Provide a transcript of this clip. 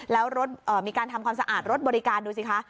แล้วรถมีการทำความสะอาดรถบริการดูสิคะ